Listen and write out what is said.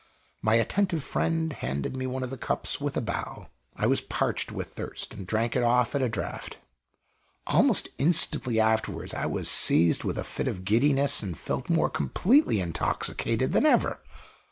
My attentive friend handed me one of the cups with a bow. I was parched with thirst, and drank it off at a draught. Almost instantly afterwards, I was seized with a fit of giddiness, and felt more completely intoxicated than ever.